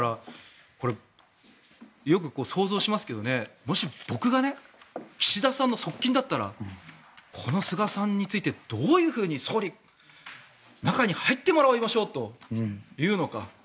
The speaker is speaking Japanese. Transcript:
これよく想像しますけどねもし、僕がね岸田さんの側近だったらこの菅さんについてどういうふうに総理、中に入ってもらいましょうと言うのか。